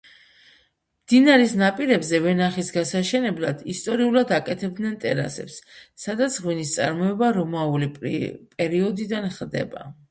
მდინარის ნაპირებზე ვენახის გასაშენებლად ისტორიულად აკეთებდნენ ტერასებს, სადაც ღვინის წარმოება რომაული პერიოდიდან ხდება.